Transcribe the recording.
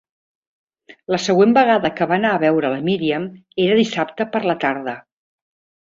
La següent vegada que va anar a veure la Míriam era dissabte per la tarda.